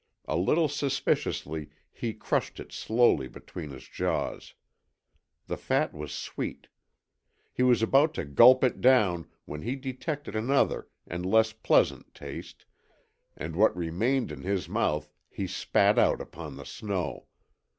A little suspiciously he crushed it slowly between his jaws. The fat was sweet. He was about to gulp it down when he detected another and less pleasant taste, and what remained in his mouth he spat out upon the snow.